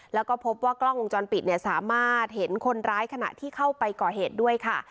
แล้วก็พบว่ากล้องวงจรปิดเนี่ยสามารถเห็นคนร้ายขณะที่เข้าไปก่อเหตุด้วยค่ะ